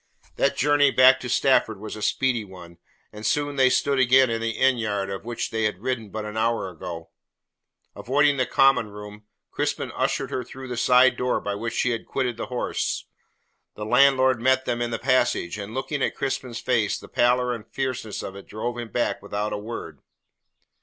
That journey back to Stafford was a speedy one, and soon they stood again in the inn yard out of which she had ridden but an hour ago. Avoiding the common room, Crispin ushered her through the side door by which she had quitted the house. The landlord met them in the passage, and looking at Crispin's face the pallor and fierceness of it drove him back without a word.